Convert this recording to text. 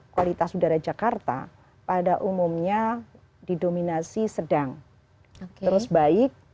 kualitas udara jakarta pada umumnya didominasi sedang terus baik